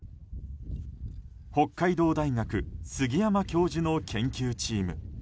北海道大学杉山教授の研究チーム。